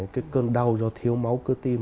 cái cơn đau do thiếu máu cơ tim